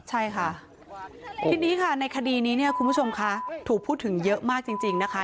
ใช่ค่ะทีนี้ค่ะในคดีนี้เนี่ยคุณผู้ชมคะถูกพูดถึงเยอะมากจริงนะคะ